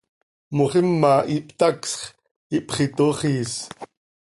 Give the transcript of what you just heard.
Moxima ihptacsx, ihpxitoxiis.